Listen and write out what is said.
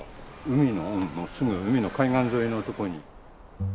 海のすぐ海の海岸沿いのとこに。